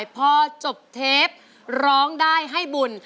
พอจบเทปร้องได้ให้บุญ